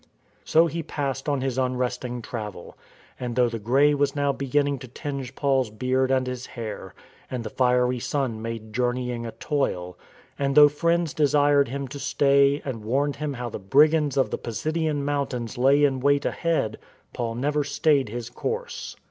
So he passed on his unresting travel; and, though the grey was now beginning to tinge Paul's beard and his hair, and the fiery sun made journeying a toil; and though friends desired him to stay and warned 246 STORM AND STRESS him how the brigands of the Pisidian mountains lay in wait ahead, Paul never stayed his course.